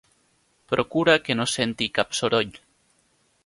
Procura que no senti cap soroll.